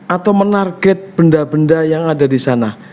atau menarget benda benda yang ada di sana